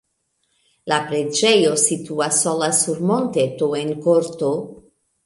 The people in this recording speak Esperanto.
La preĝejo situas sola sur monteto en korto.